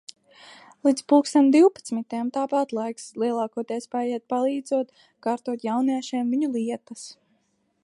Līdz pulksten divpadsmitiem tāpat laiks lielākoties paiet, palīdzot kārtot jauniešiem viņu lietas.